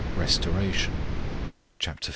RESTORATION. Chap. v.